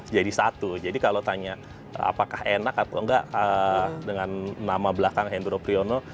jadi kalau tanya apakah enak atau enggak dengan nama belakang hendro priyono